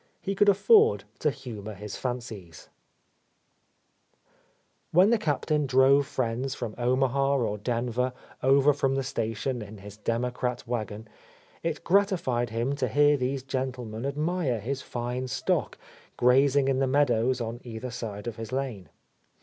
He could afford to humour his fancies. A Lost Lady When the Captain drove friends from Omaha or Denver over from the station in his democrat wagon, it gratified him to hear these gentlemen admire his fine stock, grazing in the meadows on either side of his lane.